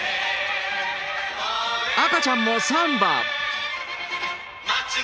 赤ちゃんもサンバ。